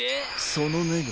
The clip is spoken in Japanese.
そのネガ